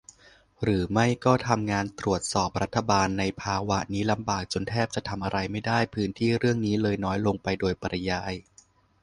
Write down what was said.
หรือไม่ก็ทำงานตรวจสอบรัฐบาลในภาวะนี้ลำบากจนแทบทำอะไรไม่ได้ พื้นที่เรื่องนี้เลยน้อยลงไปโดยปริยาย ?